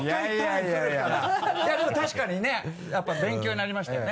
いやでも確かにねやっぱ勉強になりましたよね。